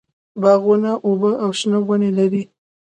باغونه اوبه او شنه ونې لري.